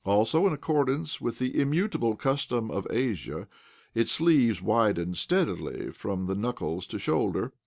AlsOj in accordance with the immutable custom of Asia, its sleeves widened steadily from knucldes to shoulder.